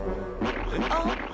あっ。